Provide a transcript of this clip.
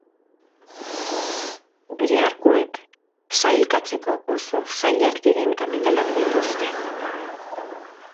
Bere arkuek sailkatzeko oso zailak diren kapitelak dituzte.